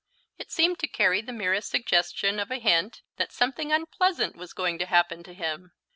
It seemed to carry the merest suggestion of a hint that something unpleasant was going to happen to him.